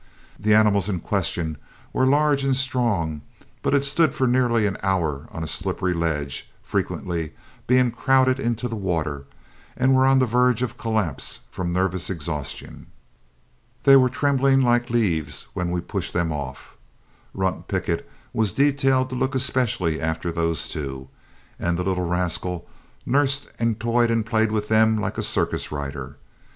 The animals in question were large and strong, but had stood for nearly an hour on a slippery ledge, frequently being crowded into the water, and were on the verge of collapse from nervous exhaustion. They were trembling like leaves when we pushed them off. Runt Pickett was detailed to look especially after those two, and the little rascal nursed and toyed and played with them like a circus rider.